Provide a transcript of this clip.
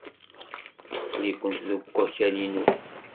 Aql-ikent deg wakal-inu.